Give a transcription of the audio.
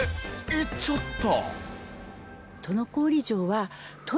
行っちゃった。